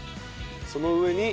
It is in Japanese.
その上に。